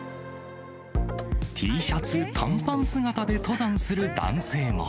Ｔシャツ短パン姿で登山する男性も。